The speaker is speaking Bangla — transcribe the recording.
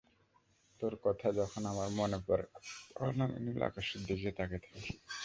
তোর কথা যখন আমার মনে পরে তখন আমি নীল আকাশের দিকে তাকিয়ে থাকি।